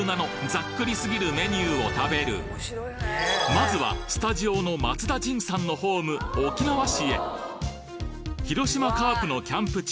まずはスタジオの松田迅さんのホーム広島カープのキャンプ地